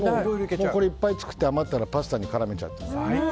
いっぱい作って余ったらパスタに絡めちゃって。